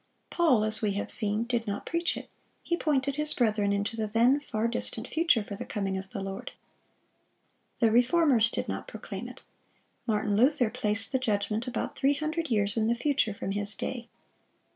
Paul, as we have seen, did not preach it; he pointed his brethren into the then far distant future for the coming of the Lord. The Reformers did not proclaim it. Martin Luther placed the judgment about three hundred years in the future from his day.